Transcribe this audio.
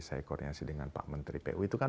saya koordinasi dengan pak menteri pu itu kan